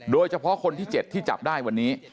โดยเฉพาะคนที่๗ที่จับได้วันนี้